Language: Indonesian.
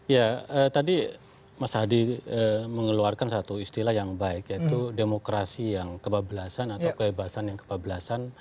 ya tadi mas hadi mengeluarkan satu istilah yang baik yaitu demokrasi yang kebablasan atau kebebasan yang kebablasan